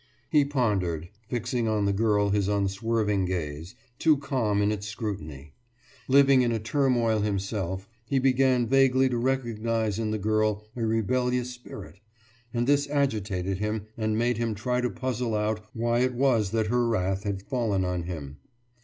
He pondered, fixing on the girl his unswerving gaze, too calm in its scrutiny. Living in a turmoil himself, he began vaguely to recognize in the girl a rebellious spirit; and this agitated him and made him try to puzzle out why it was that her wrath had fallen on him.